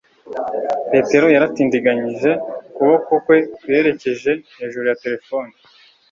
Petero yaratindiganyije, ukuboko kwe kwerekeje hejuru ya terefone